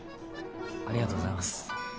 ありがとうございます。